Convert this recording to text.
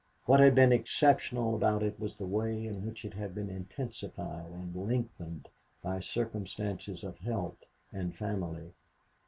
What had been exceptional about it was the way in which it had been intensified and lengthened by circumstances of health and family.